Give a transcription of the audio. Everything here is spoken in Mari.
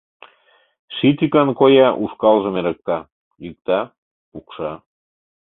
Ший тӱкан коя ушкалжым Эрыкта, йӱкта, пукша.